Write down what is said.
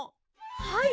はい！